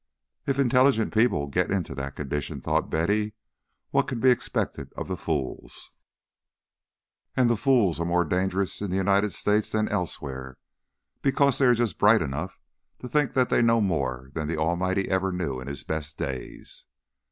"If intelligent people get into that condition," thought Betty, "what can be expected of the fools? And the fools are more dangerous in the United States than elsewhere, because they are just bright enough to think that they know more than the Almighty ever knew in His best days."